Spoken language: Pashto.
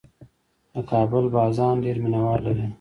د کابل بازان ډېر مینه وال لري.